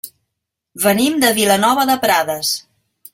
Venim de Vilanova de Prades.